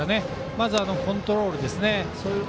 まずコントロールですね。